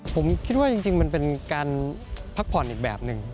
ผมคิดว่าจริงมันเป็นการพักผ่อนอีกแบบหนึ่ง